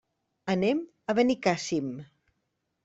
Anem a Benicàssim.